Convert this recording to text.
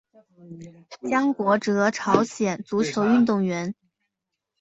姜国哲朝鲜足球运动员。